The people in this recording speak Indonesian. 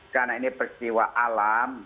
karena ini peristiwa alam